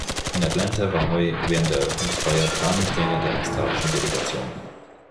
In Atlanta war Hoy während der Eröffnungsfeier Fahnenträger der australischen Delegation.